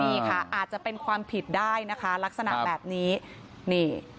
นี่ค่ะอาจจะเป็นความผิดได้นะคะลักษณะแบบนี้นี่